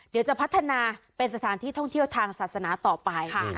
เดี๋ยวจะพัฒนาเป็นสถานที่ท่องเที่ยวทางศาสนาต่อไป